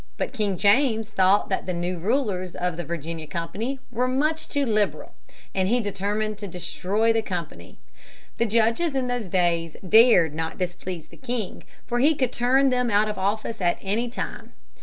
But King James thought that the new rulers of the Virginia Company were much too liberal, and he determined to destroy the company. The judges in those days dared not displease the king for he could turn them out of office at any time.